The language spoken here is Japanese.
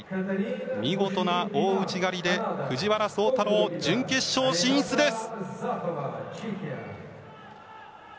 見事な大内刈で藤原崇太郎、準決勝進出です。